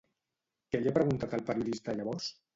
Què li ha preguntat el periodista llavors?